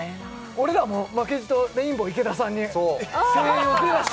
俺らも負けじとレインボー池田さんに声援送りましたよ